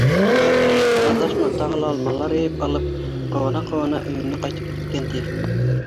Аҙашма тағы ла алмалар йыйып алып, ҡыуана-ҡыуана өйөнә ҡайтып киткән, ти.